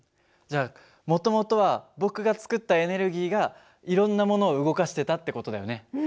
じゃあもともとは僕が作ったエネルギーがいろんなものを動かしてたって事だよね。